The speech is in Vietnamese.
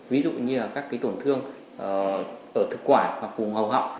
ví dụ như là các tổn thương ở thực quả và vùng hầu họng